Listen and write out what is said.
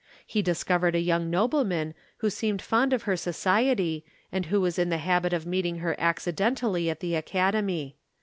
He discovered a young nobleman who seemed fond of her society and who was in the habit of meeting her accidentally at the Academy.